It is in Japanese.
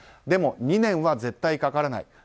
でも２年は絶対かからない。